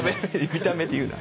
見た目って言うな。